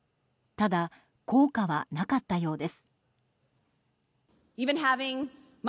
ただ、効果はなかったようです。